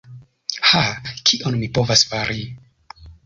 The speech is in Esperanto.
Ha... kion mi povas fari.